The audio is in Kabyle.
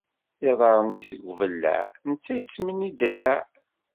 Iḍarren-is deg ubellaɛ, netta yettmenni ddellaɛ